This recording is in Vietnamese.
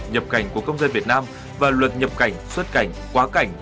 nhập cảnh của công dân việt nam và luật nhập cảnh xuất cảnh quá cảnh